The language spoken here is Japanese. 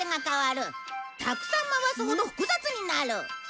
たくさん回すほど複雑になる。